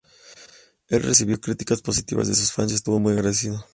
El recibió críticas positivas de sus fans y estuvo muy agradecido.